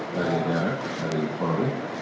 dari diadmin dari paulis